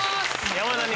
山田に。